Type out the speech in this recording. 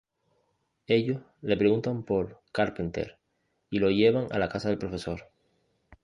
Ellos le preguntan por "Carpenter", y lo llevan a la casa del profesor.